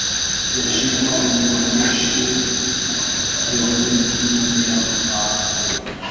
Eshima mumaisha ya muntu niya maana